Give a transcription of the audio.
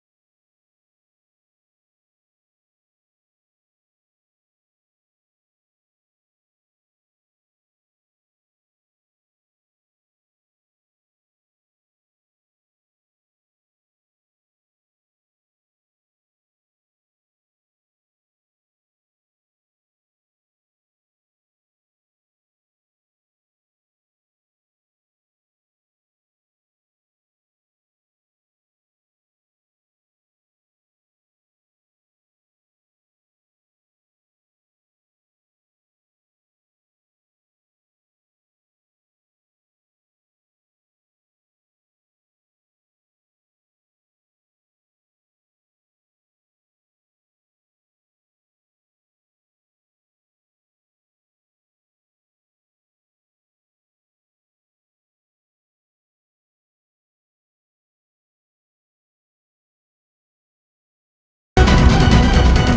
ya pak makasih ya pak